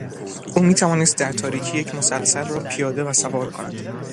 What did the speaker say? او میتوانست در تاریکی یک مسلسل را پیاده و سوار کند.